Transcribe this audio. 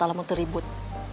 nah nanti kamu teribut